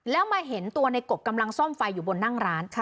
แล้วมาเห็นตัวในกบกำลังซ่อมไฟอยู่บนนั่งร้าน